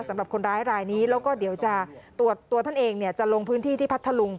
สำหรับคนร้ายรายนี้แล้วก็เดี๋ยวจะตัวท่านเองเนี่ยจะลงพื้นที่ที่พัทธลุง